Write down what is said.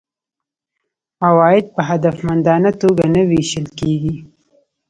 عواید په هدفمندانه توګه نه وېشل کیږي.